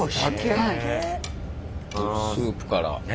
スープから。